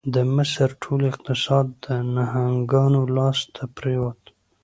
د مصر ټول اقتصاد د نهنګانو لاس ته پرېوت.